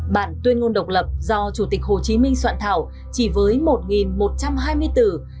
bản tuyên ngôn độc lập do chủ tịch hồ chí minh soạn thảo chỉ với một một trăm hai mươi tử